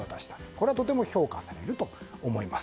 これはとても評価されると思います。